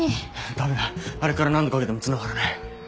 ダメだあれから何度かけてもつながらねえ。